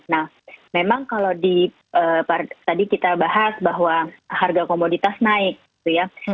nah memang kalau di tadi kita bahas bahwa harga komoditas naik gitu ya